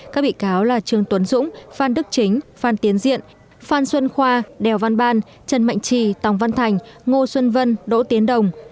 các bị cáo là trương tuấn dũng phan đức chính phan tiến diện phan xuân khoa đèo văn ban trần mạnh trì tòng văn thành ngô xuân vân đỗ tiến đồng